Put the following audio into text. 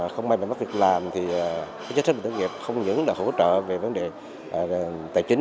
không may mắn mất việc làm thì chính sách bảo hiểm thất nghiệp không những là hỗ trợ về vấn đề tài chính